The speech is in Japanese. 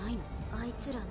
あいつら何？